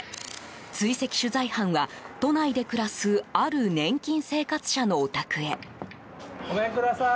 追跡取材班は、都内で暮らすある年金生活者のお宅へ。